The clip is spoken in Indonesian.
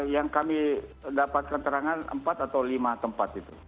yang kami dapatkan terangan empat atau lima tempat itu